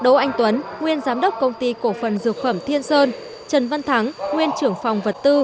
đỗ anh tuấn nguyên giám đốc công ty cổ phần dược phẩm thiên sơn trần văn thắng nguyên trưởng phòng vật tư